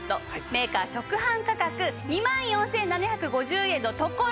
メーカー直販価格２万４７５０円のところ